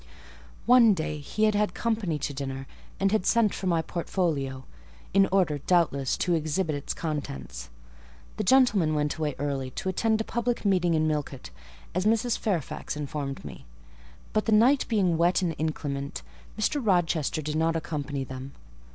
One day he had had company to dinner, and had sent for my portfolio; in order, doubtless, to exhibit its contents: the gentlemen went away early, to attend a public meeting at Millcote, as Mrs. Fairfax informed me; but the night being wet and inclement, Mr. Rochester did not accompany them.